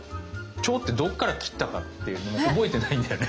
蝶ってどっから切ったかっていうのも覚えてないんだよね。